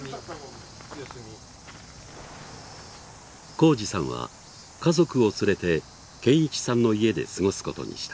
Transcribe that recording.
公二さんは家族を連れて堅一さんの家で過ごすことにした。